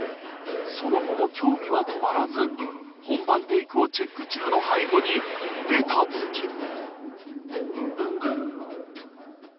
その後も興味は止まらず、本番テイクをチェック中の背後にべた付き。